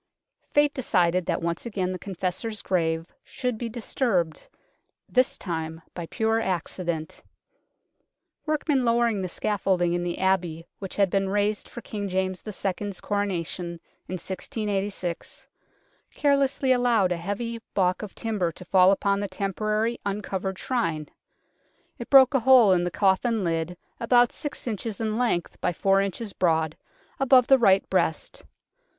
Fate decided that once again the Confessor's grave should be disturbed, this time by pure accident. Workmen lowering the scaffolding in the Abbey which had been raised for King James II. 's Coronation in 1686 carelessly allowed a heavy baulk of timber to fall upon the tempor arily uncovered Shrine. It broke a hole in the coffin lid about six inches in length by four inches broad, above the right breast.